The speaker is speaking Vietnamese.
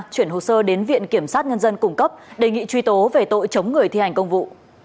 chuyển hồ sơ đến viện kiểm sát nhân dân cung cấp đề nghị truy tố về tội chống người thi hành công vụ